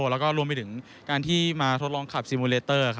และรวมไปถึงการทดลองขับซีมูเลเตอร์